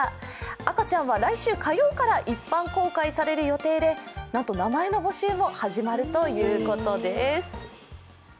赤ちゃんは来週火曜から一般公開される予定でなんと、名前の募集も始まるということです。